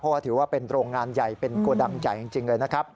เพราะว่าถือว่าเป็นโรงงานใหญ่เป็นโกดังใหญ่จริงเลยนะครับ